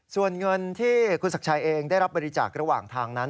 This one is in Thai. ส่วนเงินที่คุณศักดิ์ชัยเองได้รับบริจาคระหว่างทางนั้น